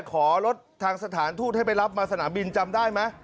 ขอรถทางสถานทูตให้ไปรับมาสนามบินจำได้ไหม